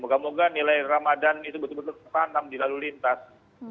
moga moga nilai ramadan itu betul betul tertanam di lalu lintas